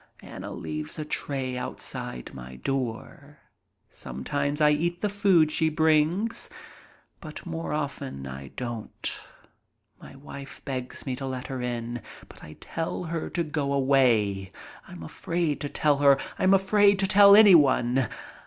Anna leaves a tray outside my door. Sometimes I eat the food she brings, but more often I don't. My wife begs me to let her in, but I tell her to go away. I'm afraid to tell her—I'm afraid to tell anyone.